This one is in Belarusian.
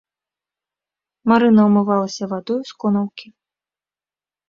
Марына ўмывалася вадою з конаўкі.